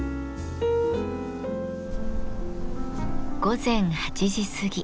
午前８時過ぎ。